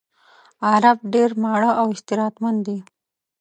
عرب ډېر ماړه او اسراتمن دي.